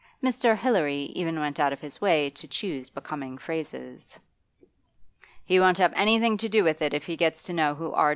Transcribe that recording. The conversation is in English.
Mr. Hilary even went out of his way to choose becoming phrases. 'He won't have anything to do with it if he gets to know who R.